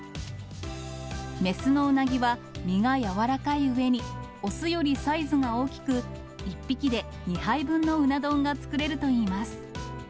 雌のうなぎは身が柔らかいうえに、雄よりサイズが大きく、１匹で２杯分のうな丼が作れるといいます。